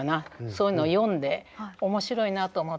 そういうのを読んで面白いなと思って。